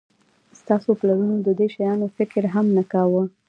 ستاسو پلرونو د دې شیانو فکر هم نه کاوه